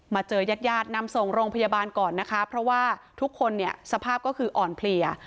เจอยาดนำส่งโรงพยาบาลก่อนนะคะเพราะว่าทุกคนเนี่ยสภาพก็คืออ่อนเพลีย